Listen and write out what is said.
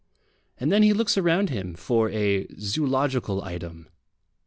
And then he looks round him for a zoological item.